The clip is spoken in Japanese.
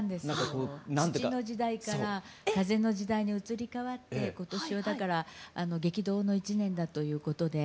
土の時代から風の時代に移り変わって今年はだから激動の１年だということで。